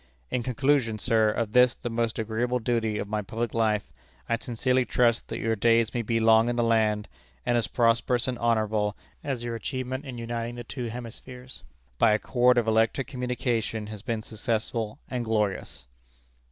In conclusion, sir, of this, the most agreeable duty of my public life, I sincerely trust that your days may be long in the land, and as prosperous and honorable as your achievement in uniting the two hemispheres by a cord of electric communication has been successful and glorious."